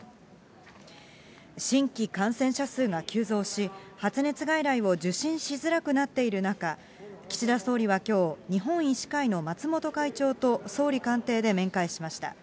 新規感染者数が急増し、発熱外来を受診しづらくなっている中、岸田総理はきょう、日本医師会の松本会長と総理官邸で面会しました。